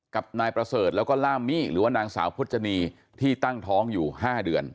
กับนายประเสริฐแล้วก็ล่ามมี่หรือว่านางสาวพจนีที่ตั้งท้องอยู่๕เดือน